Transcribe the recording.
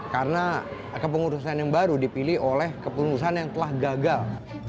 karena kepengurusan yang baru dipilih oleh kepengurusan yang telah gagal